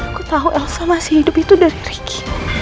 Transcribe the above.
aku tahu elsa masih hidup itu dari ricky